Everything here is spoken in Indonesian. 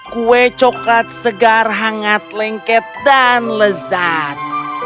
kue coklat segar hangat lengket dan lezat